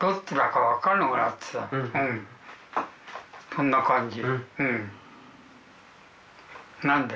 そんな感じ。